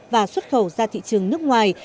và xuất khẩu ra thị trường nước ngoài